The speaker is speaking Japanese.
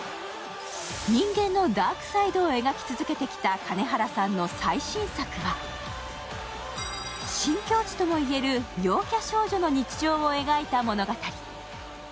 人間のダークサイドを描き続けてきた金原さんの最新作は、新境地ともいえる陽キャ少女の日常を描いた物語。